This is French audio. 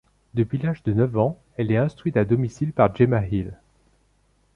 Depuis l'âge de neuf ans, elle est instruite à domicile par Gemma Hill.